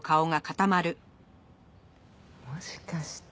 もしかして。